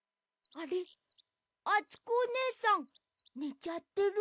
あつこおねえさんねちゃってる？